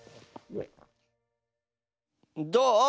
どう？